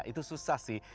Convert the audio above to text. itu susah sih